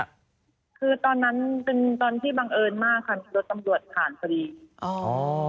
คือตอนนั้นเป็นตอนที่บังเอิญมากค่ะรถตำรวจผ่านพอดีอ๋อ